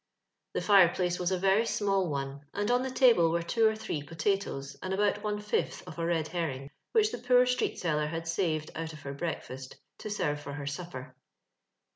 The fireplace was a veiy small one, and on the table were two or three potatoes and about one fifth of a red herring, which the poor street seller had saved out of her breakfast to serve for her supper.